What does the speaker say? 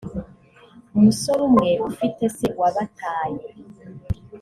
umusore umwe ufite se wabataye